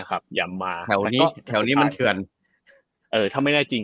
นะครับอย่ามมาก็แถวนี้แถวนี้มันเทือนเอ่อถ้าไม่ได้จริง